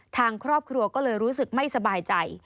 ทางครอบครัวก็เลยรู้สึกไม่สบายใจ